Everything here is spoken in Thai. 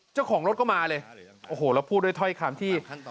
เจ้าของรถก็มาเลยโอ้โหแล้วพูดด้วยถ้อยคำที่